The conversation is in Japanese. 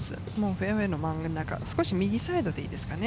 フェアウエーの真ん中、少し右サイドでいいですかね。